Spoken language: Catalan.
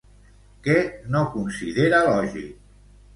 Què no considera lògic?